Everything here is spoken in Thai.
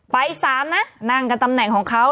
ไป๓นะนั่งกันตำแหน่งของเขา